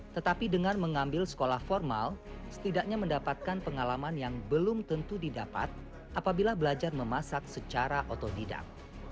tetapi dengan mengambil sekolah formal setidaknya mendapatkan pengalaman yang belum tentu didapat apabila belajar memasak secara otodidak